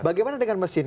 bagaimana dengan mesin